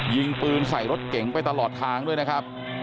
ยิงปืนใส่รถเก๋งไปตลอดทางด้วยนะครับ